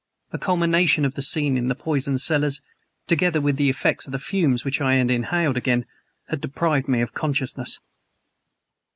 The culmination of the scene in the poison cellars, together with the effects of the fumes which I had inhaled again, had deprived me of consciousness.